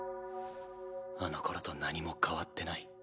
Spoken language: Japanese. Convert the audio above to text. あのころと何も変わってない。